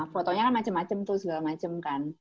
fotonya kan macem macem tuh segala macem kan